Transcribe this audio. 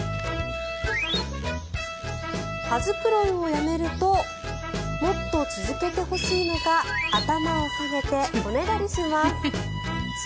羽繕いをやめるともっと続けてほしいのか頭を下げて、おねだりします。